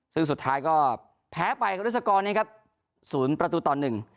ซึ่งสุดท้ายก็แพ้ไปด้วยสกอร์เนี่ยครับสูญประตูตอนหนึ่ง